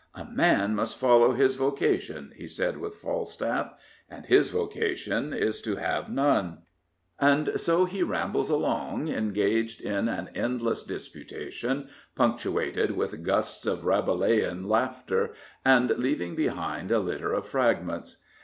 " A man must follow his vocation," he said with Falstaff, and his vocation is to have none. And so he rambles along, engaged in an endless disputation, punctuated with gusts of Rabelaisian laughter, and leaving behind a litter of fragments.